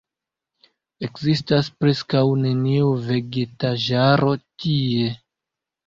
Ekzistas preskaŭ neniu vegetaĵaro tie.